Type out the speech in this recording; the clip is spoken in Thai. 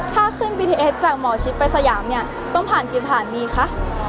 ถ้าขึ้นบีทีเอสจากหมอชิดไปสยามเนี่ยต้องผ่านกี่สถานีคะ